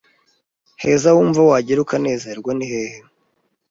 heza wumva wagera ukanezerwa nihehe